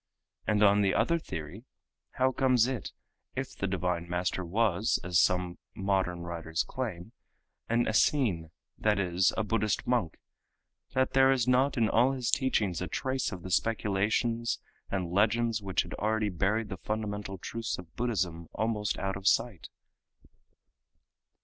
And on the other theory, how comes it, if the Divine Master was, as some modern writers claim, an Essene, that is, a Buddhist monk, that there is not in all his teachings a trace of the speculations and legends which had already buried the fundamental truths of Buddhism almost out of sight?